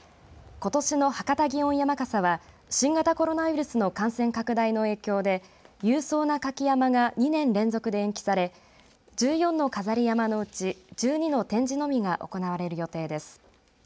ことしの博多祇園山笠は新型コロナウイルスの感染拡大の影響で勇壮な舁き山笠が２年連続で延期され１４の飾り山笠のうち１２の展示のみが行われる予定です。